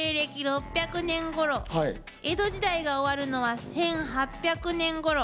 江戸時代が終わるのは１，８００年ごろ。